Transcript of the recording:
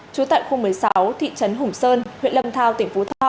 trú tại khu một mươi sáu thị trấn hùng sơn huyện lâm thao tỉnh phú thọ